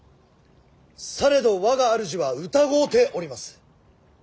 されど我が主は疑うております。